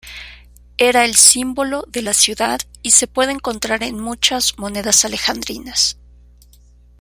Era el símbolo de la ciudad y se puede encontrar en muchas monedas alejandrinas.